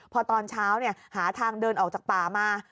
พอตอนเช้าหาทางเดินออกจากป่ามา